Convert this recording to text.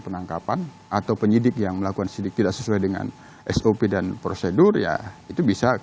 penangkapan atau penyidik yang melakukan sidik tidak sesuai dengan sop dan prosedur ya itu bisa